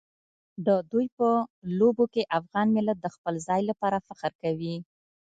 د دوی په لوبو کې افغان ملت د خپل ځای لپاره فخر کوي.